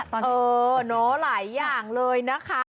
เออหลายอย่างเลยนะคะ